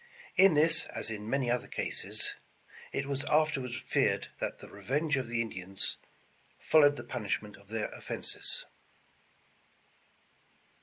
In this, as in many other cases, it was afterward feared that the revenge of the Indians followed the punish ment of their offences.